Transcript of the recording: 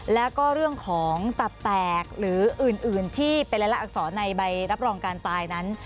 แล้วก็เรื่องของตับแตกหรืออื่นที่เป็นรายละอักษรในใบรับรองการตายนั้น